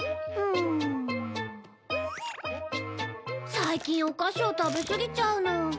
最近お菓子を食べすぎちゃうの。